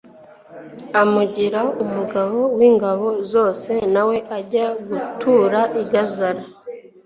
amugira umugaba w'ingabo zose, na we ajya gutura i gazara